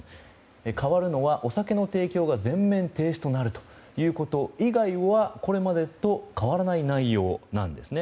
変わるのは、お酒の提供が全面停止となること以外はこれまでと変わらない内容なんですね。